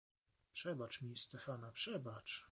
"Przebacz mi Stefana, przebacz!"